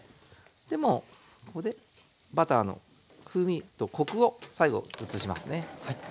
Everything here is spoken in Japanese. でもうここでバターの風味とコクを最後移しますね。